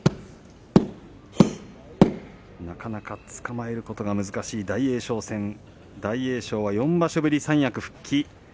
なかなかつかまえることが難しい大栄翔戦大栄翔は４場所ぶり三役復帰。